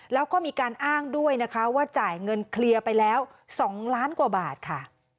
แล้วก็มีการอ้างด้วยนะคะว่าจ่ายเงินเคลียร์ไปแล้ว๒ล้านกว่าบาทค่ะ